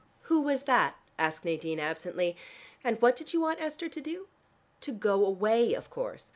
'" "Who was that?" asked Nadine absently. "And what did you want Esther to do?" "To go away, of course.